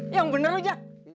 yang bener aja